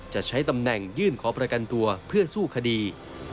จะใช้ตำแหน่งยื่นขอประกันตัวเพื่อสู้คดี